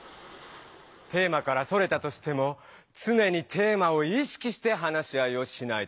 テーマからそれたとしてもつねにテーマをいしきして話し合いをしないと。